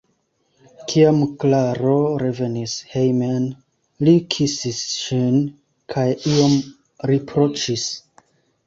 Kiam Klaro revenis hejmen, li kisis ŝin kaj iom riproĉis.